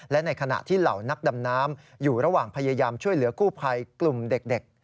และในขณะที่เหล่านักดำน้ำอยู่ระหว่างพยายามช่วยเหลือกู้ภัยกลุ่มเด็ก